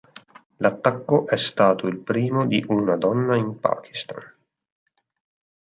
L'attacco è stato il primo di una donna in Pakistan.